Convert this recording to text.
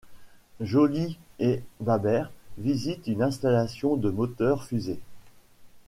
Joly et Dabert visitent une installation de moteur fusée.